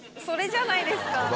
それじゃないですか。